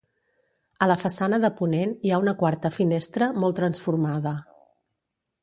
A la façana de ponent hi ha una quarta finestra, molt transformada.